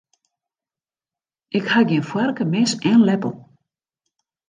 Ik ha gjin foarke, mes en leppel.